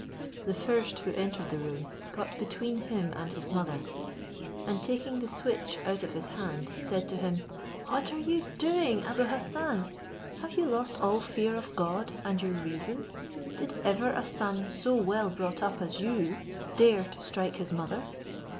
The first who entered the room got between him and his mother, and taking the switch out of his hand, said to him, "What are you doing, Abou Hassan? have you lost all fear of God and your reason? Did ever a son so well brought up as you dare to strike his mother?